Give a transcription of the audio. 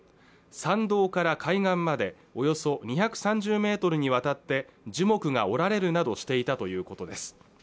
山道から海岸までおよそ２３０メートルにわたって樹木が折られるなどしていたということです